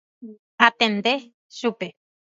Antende chupe.